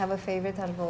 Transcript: ada favorit apa yang